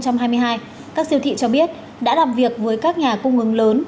các siêu thị cho biết đã làm việc với các nhà cung ứng lớn